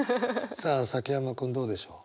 さあ崎山君どうでしょう？